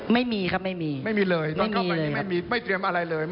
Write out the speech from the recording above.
ไม่มีครับไม่มีไม่มีเลยไม่เตรียมอะไรเลย